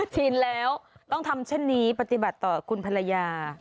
ชินแล้วต้องทำเช่นนี้ปฏิบัติต่อคุณภรรยา